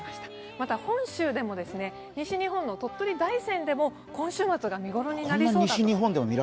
また本州でも西日本の鳥取・大山でも今週末が見頃になりそうだと。